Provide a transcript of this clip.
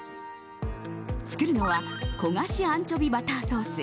作るのは焦がしアンチョビバターソース。